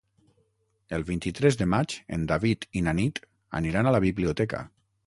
El vint-i-tres de maig en David i na Nit aniran a la biblioteca.